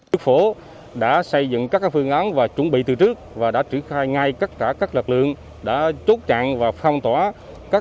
đức phổ đã xây dựng các phương án và chuẩn bị từ trước và đã trực khai ngay các lực lượng đã chốt chặn và phong tỏa